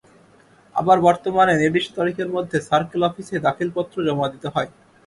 আবার বর্তমানে নির্দিষ্ট তারিখের মধ্যে সার্কেল অফিসে দাখিলপত্র জমা দিতে হয়।